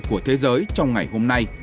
của thế giới trong ngày hôm nay